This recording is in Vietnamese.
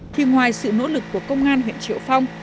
thì ngoài sự nỗ lực của công an huyện triệu phong